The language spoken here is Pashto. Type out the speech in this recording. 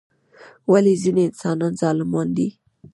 ولی ځینی انسانان ظالمان دي؟